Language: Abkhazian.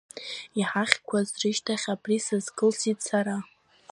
Иҳахьқәаз рышьҭахь, абри сазкылсит сара.